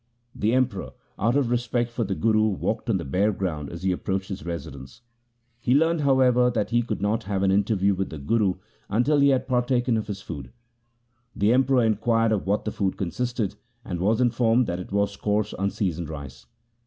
The Emperor, out of respect for the Guru, walked on the bare ground as he approached his residence. He learned, however, that he could not have an interview with the Guru until he had par taken of his food. The Emperor inquired of what the food consisted, and was informed that it was coarse unseasoned rice.